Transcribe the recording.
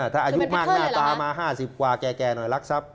ถ้าอายุมากหน้าตามา๕๐กว่าแก่หน่อยรักทรัพย